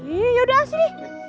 iya yaudah sini